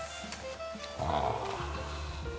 ああ。